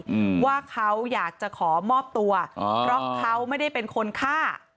อืมว่าเขาอยากจะขอมอบตัวอ๋อเพราะเขาไม่ได้เป็นคนฆ่า